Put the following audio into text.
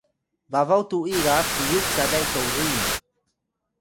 babaw tu’i ga piyux calay toruy nya